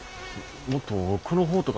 もっと奥の方とか。